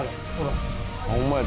ホンマや。